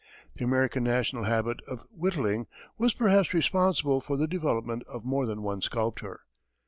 The American national habit of whittling was perhaps responsible for the development of more than one sculptor.